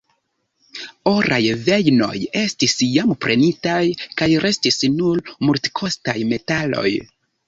Oraj vejnoj estis jam prenitaj kaj restis nur multekostaj metaloj.